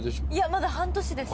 まだ半年です。